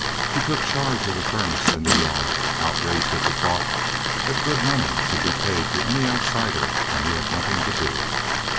He took charge of the furnace and the yard, outraged at the thought that good money should be paid to any outsider when he had nothing to do.